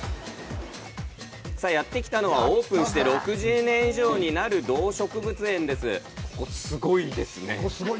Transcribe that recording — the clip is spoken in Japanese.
やってきたのはオープンして６０年以上になる動植物園です。